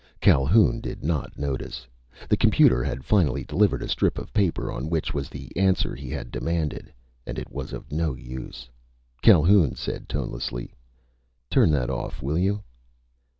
Calhoun did not notice. The computer had finally delivered a strip of paper on which was the answer he had demanded. And it was of no use. Calhoun said tonelessly: "Turn that off, will you?"